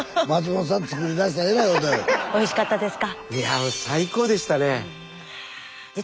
おいしかったですか？